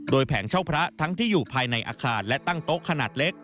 แผงเช่าพระทั้งที่อยู่ภายในอาคารและตั้งโต๊ะขนาดเล็ก